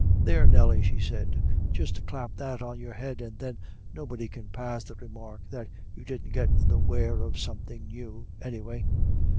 "There, Nelly," she said, "just clap that on your head, and then nobody can pass the remark that you didn't get the wear of somethin' new, any way."